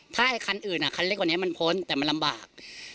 ถ้าไอ้คันอื่นคันเล็กกว่านี้มันพ้นแต่มันลำบาก